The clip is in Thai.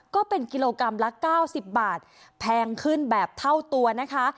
ก็เป็นกิโลกรัมละ๙๐บาทแพงขึ้นแบบเท่าตัวนะคะ